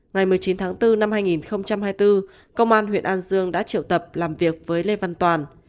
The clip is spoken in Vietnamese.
ngày một mươi chín tháng bốn năm hai nghìn hai mươi bốn công an huyện an dương đã triệu tập làm việc với lê văn toàn